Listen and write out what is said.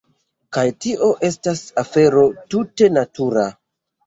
Kaj tio estis afero tute natura.